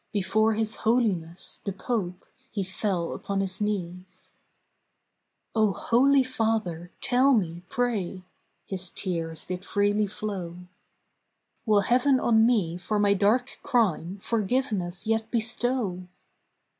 Before His Holiness, the Pope, He fell upon his knees. 410 TWO MAGYAR POEMS "0 Holy Father, tell mc, pray" — His tears did freely flow — "Will Heaven on me for my dark crime Forgiveness yet bestow?"